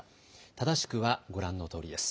正しくはご覧のとおりです。